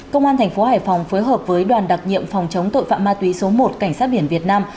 công an thành phố hải phòng phối hợp với đoàn đặc nhiệm phòng chống tội phạm ma túy số một cảnh sát biển việt nam